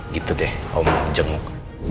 gitu deh om jenguk